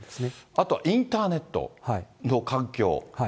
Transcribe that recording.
あとはインターネットの環境。